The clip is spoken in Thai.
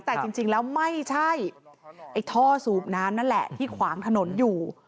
แต่จริงแล้วไม่ใช่ไอ้ท่อสูบน้ำนั่นแหละที่ขวางถนนอยู่